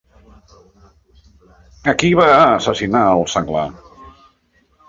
A qui va assassinar el senglar?